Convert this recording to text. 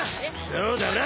そうだろ！